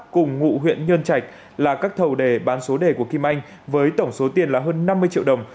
cùng ngụ huyện nhân trạch là các thầu đề bán số đề của kim anh với tổng số tiền là hơn năm mươi triệu đồng